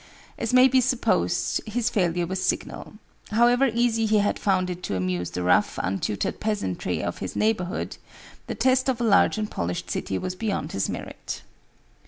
As may be supposed, his failure was signal. However easy he had found it to amuse the rough, untutored peasantry of his neighborhood, the test of a large and polished city was beyond his merit.